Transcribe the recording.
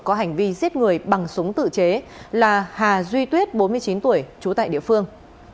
có hành vi giết người bằng súng tự chế là hà duy tuyết bốn mươi chín tuổi trú tại địa phương